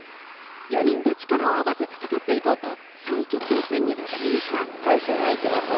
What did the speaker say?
４人で力を合わせ戦っていこうと３位決定戦に臨みました。